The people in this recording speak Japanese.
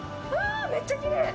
めっちゃきれい！